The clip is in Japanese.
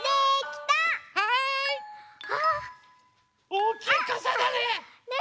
おおきいかさだね。